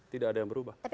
tidak ada yang berubah